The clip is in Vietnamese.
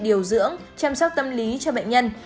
điều dưỡng chăm sóc tâm lý cho bệnh nhân